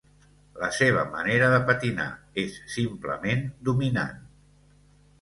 La seva manera de patinar, és simplement dominant.